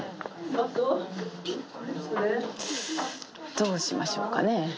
どうしましょうかね？